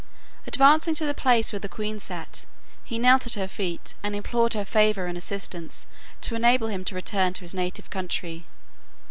Advancing to the place where the queen sat, he knelt at her feet and implored her favor and assistance to enable him to return to his native country.